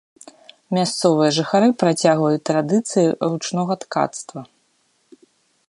Мясцовыя жыхары працягваюць традыцыі ручнога ткацтва.